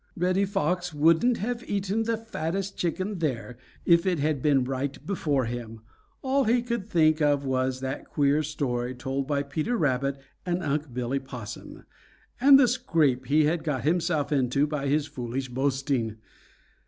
Reddy Fox wouldn't have eaten the fattest chicken there if it had been right before him. All he could think of was that queer story told by Peter Rabbit and Unc' Billy Possum, and the scrape he had got himself into by his foolish boasting.